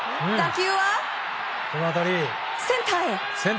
打球はセンターへ。